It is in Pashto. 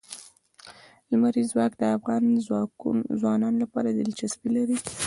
لمریز ځواک د افغان ځوانانو لپاره دلچسپي لري.